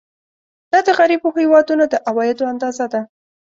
دا د غریبو هېوادونو د عوایدو اندازه ده.